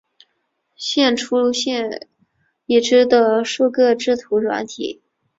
列出现今已知的数个制图软体